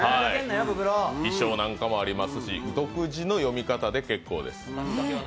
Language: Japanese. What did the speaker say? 衣装なんかもありますし独自の読み方で結構です。